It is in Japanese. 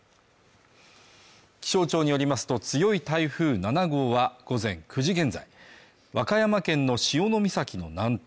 気象庁によりますと強い台風７号は午前９時現在和歌山県の潮岬の南東